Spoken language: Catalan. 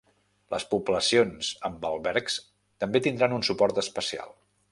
Les poblacions amb albergs també tindran un suport especial.